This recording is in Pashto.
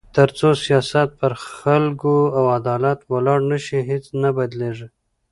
تر څو سیاست پر خلکو او عدالت ولاړ نه شي، هیڅ نه بدلېږي.